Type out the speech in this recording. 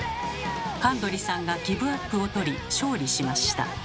神取さんがギブアップをとり勝利しました。